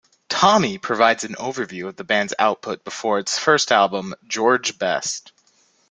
"Tommy" provides an overview of the band's output before its first album "George Best".